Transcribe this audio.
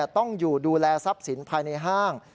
ต้องอยู่ดูแลทรัพย์สินภายในห้าง